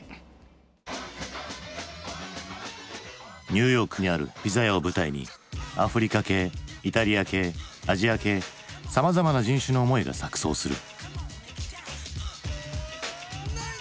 ニューヨークにあるピザ屋を舞台にアフリカ系イタリア系アジア系さまざまな人種の思いが錯そうする。